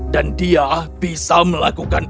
dan dia bisa melakukan